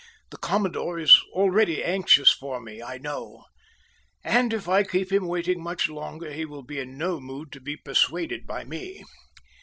The commodore is already anxious for me, I know, and if I keep him waiting much longer, he will be in no mood to be persuaded by me.